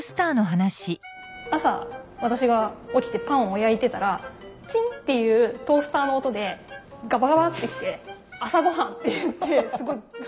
朝私が起きてパンを焼いてたら「チン！」っていうトースターの音でガバガバッて来て朝ごはんっていってすごい。